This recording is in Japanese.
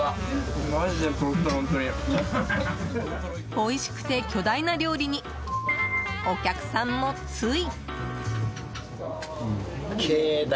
おいしくて巨大な料理にお客さんも、つい。